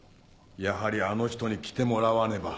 やはりあの人に来てもらわねば。